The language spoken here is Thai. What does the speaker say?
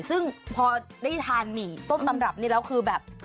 ซึ่งพอได้ทานหมี่ต้มตำรับนี่แล้วคือแบบ